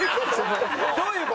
どういう事？